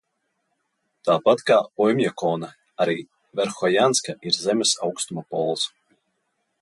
Tāpat kā Oimjakona, arī Verhojanska ir Zemes aukstuma pols.